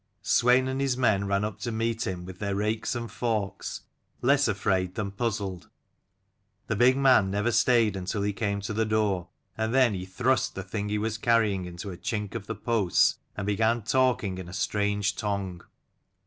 Swein and his men ran up to meet him with their rakes and forks, less afraid than puzzled. The big man never stayed until he came to the door, and then he thrust the thing he was carrying into a chink of the posts, and began talking in a strange tongue.